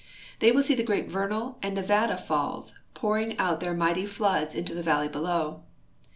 They will see the great Vernal and Nevada falls j)Our ing out their miglity floods into the valley below.